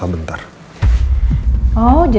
wah bagaimana sih ke beefy tuh